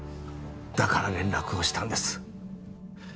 だから連絡をしたんです